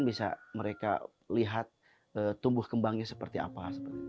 bisa mereka lihat tumbuh kembangnya seperti apa